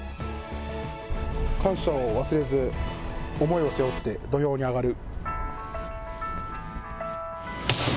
感謝を忘れず思いを背負って土俵に上がる。